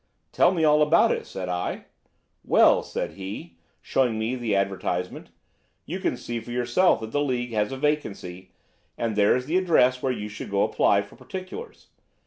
"'Tell me all about it,' said I. "'Well,' said he, showing me the advertisement, 'you can see for yourself that the League has a vacancy, and there is the address where you should apply for particulars.